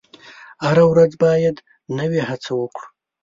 هره ورځ باید نوې هڅه وکړو.